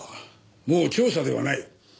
もう調査ではない。